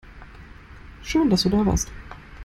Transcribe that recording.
Schön, dass du da warst.